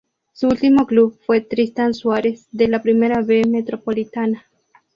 Su último club fue Tristán Suárez de la Primera B Metropolitana.